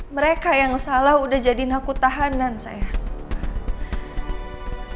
mereka yang salah udah jadiin aku tahanan saya